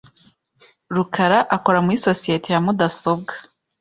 rukara akora muri sosiyete ya mudasobwa .